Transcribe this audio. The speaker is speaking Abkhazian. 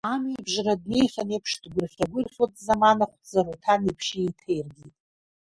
Амҩабжара днеихьан еиԥш, дгәырӷьа-гәырӷьо, дзаманахәӡа Аруҭан ибжьы еиҭеиргеит…